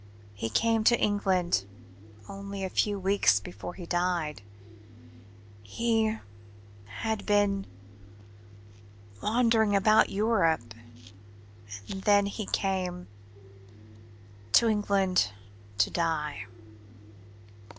He came to England only a few weeks before he died. He had been wandering about Europe and then he came to England to die."